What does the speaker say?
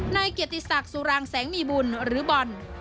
นายเกียรติศักดิ์สุรางแสงมีบุญหรือบอล